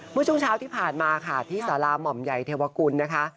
เมื่อช่วงเช้าที่ผ่านมาค่ะที่สาราหม่อมใหญ่เทวกุลนะคะ